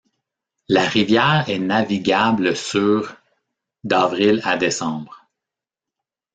La rivière est navigable sur d'avril à décembre.